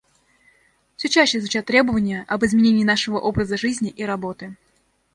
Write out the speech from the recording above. Все чаще звучат требования об изменении нашего образа жизни и работы.